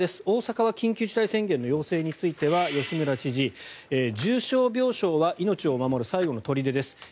大阪は緊急事態宣言の要請については吉村知事は重症病床は命を守る最後の砦です。